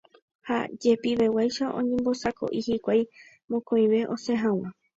ha jepiveguáicha oñembosako'i hikuái mokõive osẽ hag̃ua